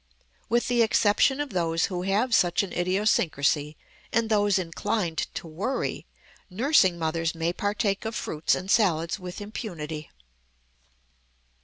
With the exception of those who have such an idiosyncrasy and those inclined to worry, nursing mothers may partake of fruits and salads with impunity.